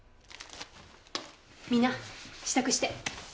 みんな支度して。